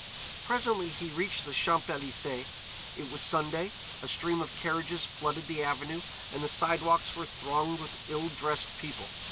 Presently he reached the Champs Elysées. It was Sunday. A stream of carriages flooded the avenue, and the sidewalks were thronged with ill dressed people.